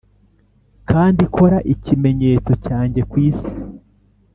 kandi kora ikimenyetso cyanjye kwisi